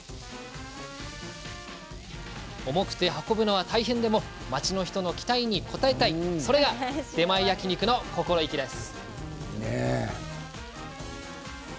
重くて運ぶのは大変でも町の人の期待に応えたいそれが出前焼肉の心意気です。